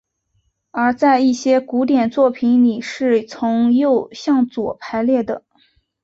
而在一些古典作品里是从右向左排列的。